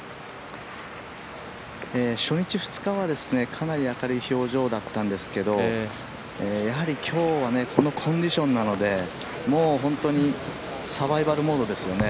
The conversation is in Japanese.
初日、２日はかなり明るい表情だったんですけどやはり今日はこのコンディションなので、もう、サバイバルモードですよね